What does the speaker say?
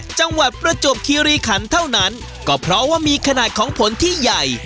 ประจวบคิริขันเท่านั้นก็เพราะว่ามีขนาดของผลที่ใหญ่